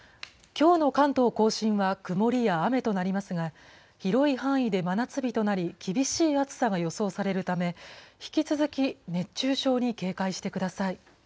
きょうの関東甲信は、曇りや雨となりますが、広い範囲で真夏日となり、厳しい暑さが予想されるため、引き続き熱中症に警戒してください。